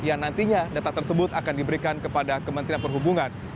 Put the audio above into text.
artinya data tersebut akan diberikan kepada kementerian perhubungan